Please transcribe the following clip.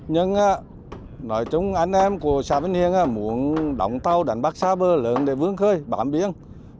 nhưng nói chung anh em của xã bình hiền muốn đóng tàu đánh bắc xa bờ lớn để vương khơi bám biển